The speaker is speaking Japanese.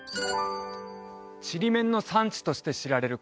ちりめんの産地として知られる